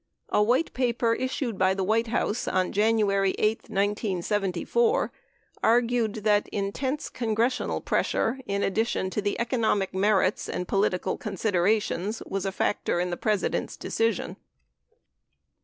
A White Paper issued by the White House on January 8, 1974, argued that intense Congressional pressure, in addi tion to the economic merits and political considerations, was a factor in the President's decision.